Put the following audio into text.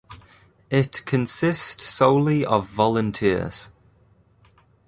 It consist solely of volunteers.